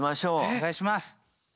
お願いします。